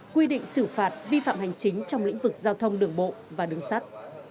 quy định xử phạt vi phạm hành chính trong lĩnh vực giao thông đồng bộ và đứng sát